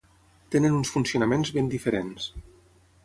Tenen uns funcionaments ben diferents.